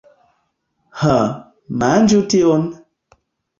Ha, manĝu tion!